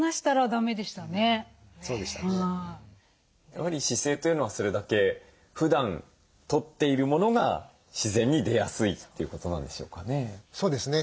やはり姿勢というのはそれだけふだんとっているものが自然に出やすいということなんでしょうかね？